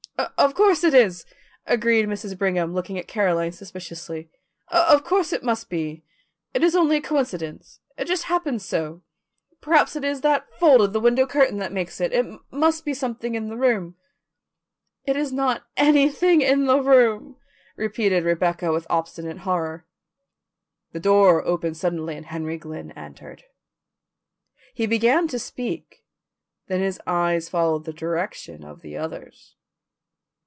"Of course, it is," agreed Mrs. Brigham, looking at Caroline suspiciously. "Of course it must be. It is only a coincidence. It just happens so. Perhaps it is that fold of the window curtain that makes it. It must be something in the room." "It is not anything in the room," repeated Rebecca with obstinate horror. The door opened suddenly and Henry Glynn entered. He began to speak, then his eyes followed the direction of the others'.